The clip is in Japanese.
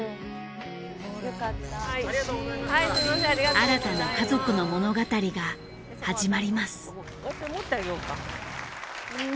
新たな家族の物語が始まります。